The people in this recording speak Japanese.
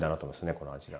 この味は。